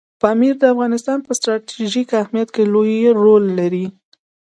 پامیر د افغانستان په ستراتیژیک اهمیت کې لوی رول لري.